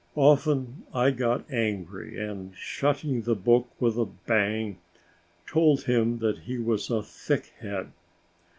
Often I got angry and, shutting the book with a bang, told him that he was a thickhead.